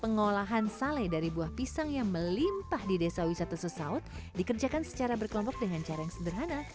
pengolahan sale dari buah pisang yang melimpah di desa wisata sesaut dikerjakan secara berkelompok dengan cara yang sederhana